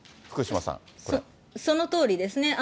そのとおりですね。